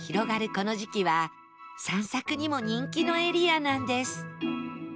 この時期は散策にも人気のエリアなんです